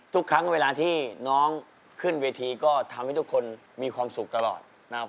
ทุกครั้งเวลาที่น้องขึ้นเวทีก็ทำให้ทุกคนมีความสุขตลอดนะครับ